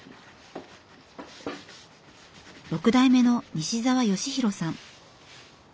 ６代目の西澤義弘さん。